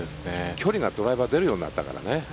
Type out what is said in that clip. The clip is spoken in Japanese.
距離が、ドライバー出るようになったもんね。